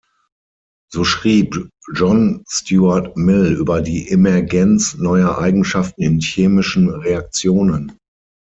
So schrieb John Stuart Mill über die Emergenz neuer Eigenschaften in chemischen Reaktionen.